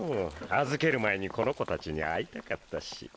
預ける前にこの子たちに会いたかったし。